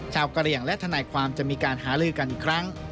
กะเหลี่ยงและทนายความจะมีการหาลือกันอีกครั้ง